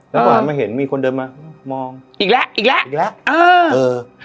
แล้วก็หันมาเห็นมีคนเดินมามองอีกแล้วอีกแล้วอีกแล้วเออเออ